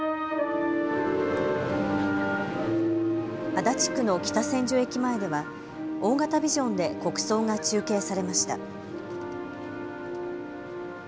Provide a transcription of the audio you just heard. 足立区の北千住駅前では大型ビジョンで国葬が中継されました。